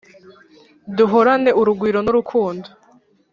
duhorane urugwiro n’urukundo.